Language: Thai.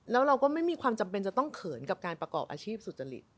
แล้วเราก็ไม่มีความจำเป็นจะต้องเขินกับการประกอบอาชีพสุจริต